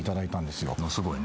すごいね。